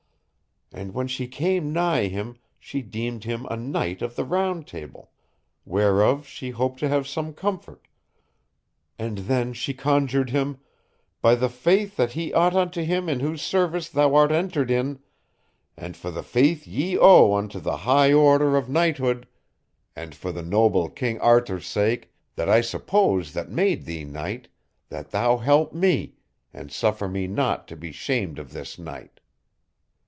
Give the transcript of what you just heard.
And when she came nigh him she deemed him a knight of the Round Table, whereof she hoped to have some comfort; and then she conjured him: By the faith that he ought unto him in whose service thou art entered in, and for the faith ye owe unto the high order of knighthood, and for the noble King Arthur's sake, that I suppose that made thee knight, that thou help me, and suffer me not to be shamed of this knight.